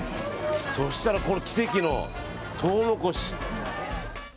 そしたらこれ奇跡のトウモロコシ。